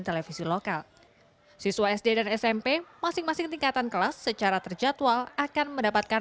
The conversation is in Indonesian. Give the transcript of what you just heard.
televisi lokal siswa sd dan smp masing masing tingkatan kelas secara terjadwal akan mendapatkan